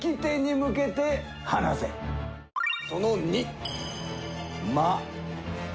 その２。